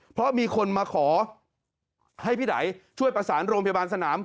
เพราะมีคนมาขอให้พี่ไดช่วยประสานโรงพยาบาลสนาม